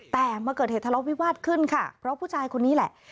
แต่มาเกิดเหตุทะเลาะวิวาสขึ้นค่ะเพราะผู้ชายคนนี้แหละ